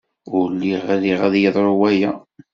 Ur lliɣ riɣ ad yeḍru waya.